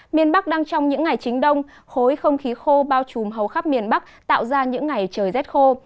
miền bắc đang trong những ngày chính đông khối không khí khô bao trùm hầu khắp miền bắc tạo ra những ngày trời rét khô